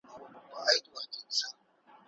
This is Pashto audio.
بریالیو خلکو له پخوانیو تېروتنو پند اخیستی دی.